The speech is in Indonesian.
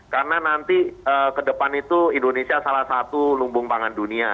karena nanti ke depan itu indonesia salah satu lumbung pangan dunia